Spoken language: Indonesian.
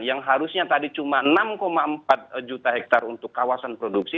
yang harusnya tadi cuma enam empat juta hektare untuk kawasan produksi